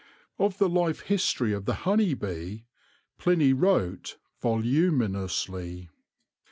On the life history of the honey bee Pliny wrote voluminously.